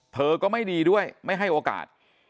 เธอก็ไม่ดีด้วยไม่ให้โอกาส